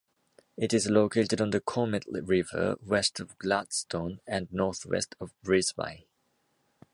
It is located on the Comet River, west of Gladstone and northwest of Brisbane.